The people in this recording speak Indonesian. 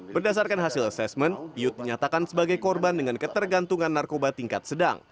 berdasarkan hasil asesmen yud menyatakan sebagai korban dengan ketergantungan narkoba tingkat sedang